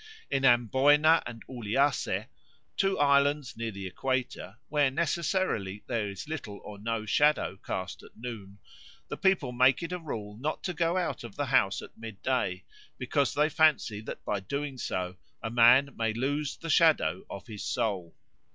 In Amboyna and Uliase, two islands near the equator, where necessarily there is little or no shadow cast at noon, the people make it a rule not to go out of the house at mid day, because they fancy that by doing so a man may lose the shadow of his soul.